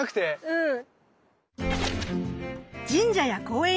うん。